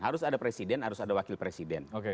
harus ada presiden harus ada wakil presiden